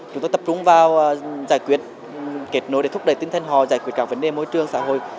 chúng tôi tập trung vào giải quyết kết nối để thúc đẩy tinh thần họ giải quyết các vấn đề môi trường xã hội